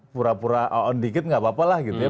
pura pura on dikit nggak apa apa lah gitu ya